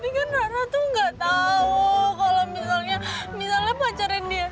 tapi kan rara tuh gak tau kalau misalnya pacarin dia